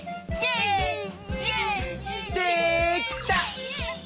できた！